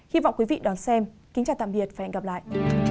hy vọng quý vị đón xem kính chào tạm biệt và hẹn gặp lại